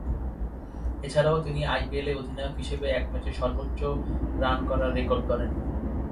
এছাড়া তিনি আইপিএলে অধিনায়ক হিসেবে এক ম্যাচে সর্বোচ্চ রান করার রেকর্ড গড়েন।